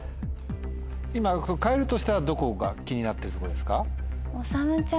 今変えるとしたらどこが気になってるとこですか？